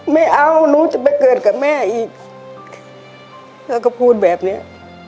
ไม่เอาหนูจะไปเกิดกับแม่อีกแล้วก็พูดแบบเนี้ย